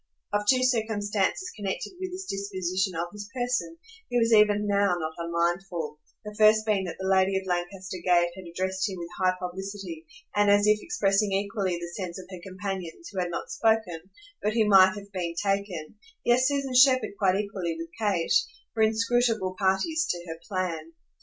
Of two circumstances connected with this disposition of his person he was even now not unmindful; the first being that the lady of Lancaster Gate had addressed him with high publicity and as if expressing equally the sense of her companions, who had not spoken, but who might have been taken yes, Susan Shepherd quite equally with Kate for inscrutable parties to her plan.